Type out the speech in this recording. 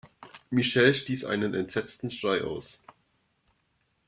Michelle stieß einen entsetzten Schrei aus.